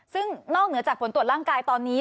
ซึ่งนอกเหนือจากผลตรวจร่างกายตอนนี้